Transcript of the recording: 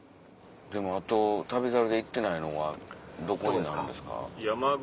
でもあと『旅猿』で行ってないのはどこになるんですか？